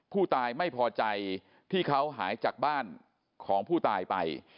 ผู้ตายไม่พอใจที่เขาหายจากบ้านของผู้ตายไป